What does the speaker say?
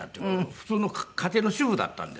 普通の家庭の主婦だったんですよ。